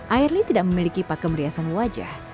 airly tidak memiliki pakem riasan wajah